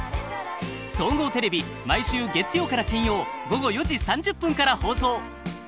総合テレビ毎週月曜から金曜午後４時３０分から放送。